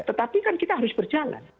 tetapi kan kita harus berjalan